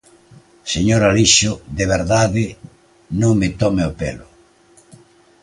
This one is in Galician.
Señor Alixo, de verdade, non me tome o pelo.